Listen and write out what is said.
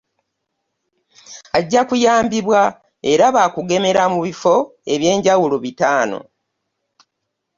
Ajja kuyambibwa era ba kugemera mu bifo eby'enjawulo bitaano